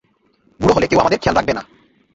বুড়ো হলে কেউ আমাদের খেয়াল রাখবে না।